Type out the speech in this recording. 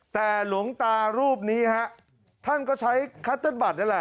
แต่หลวงตารูปนี้ฮะท่านก็ใช้คัตเติ้ลบัตรนั่นแหละ